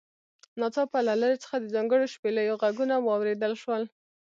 ناڅاپه له لرې څخه د ځانګړو شپېلیو غږونه واوریدل شول